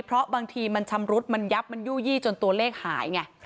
เพราะบางทีมันชำรุดมันยับมันยู่ยี่จนตัวเลขหายไง